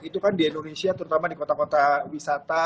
itu kan di indonesia terutama di kota kota wisata